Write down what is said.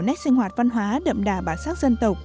nét sinh hoạt văn hóa đậm đà bản sắc dân tộc